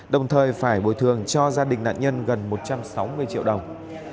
đồng thời phải bồi thường cho gia đình nạn nhân gần một trăm sáu mươi triệu đồng